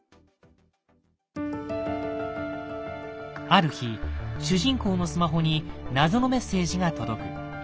ある日主人公のスマホに謎のメッセージが届く。